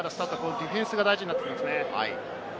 ディフェンスが大事になってきますね。